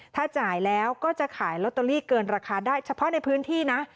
ถ้าจ่ายแล้วก็จะขายลอตเตอรี่เกินราคาได้เฉพาะในพื้นที่นะ